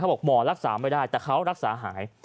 บอกหมอรักษาไม่ได้แต่เขารักษาหาย